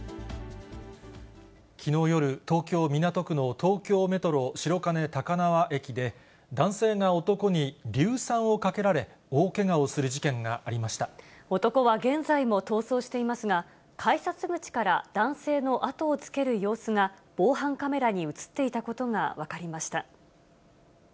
きのう夜、東京・港区の東京メトロ白金高輪駅で、男性が男に硫酸をかけられ、男は現在も逃走していますが、改札口から男性の後をつける様子が、防犯カメラに写っていたことが分かりました。